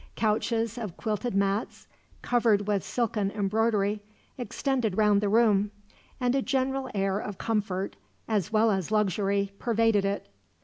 Couches of quilted mats, covered with silken embroidery, extended round the room; and a general air of comfort, as well as luxury, pervaded it.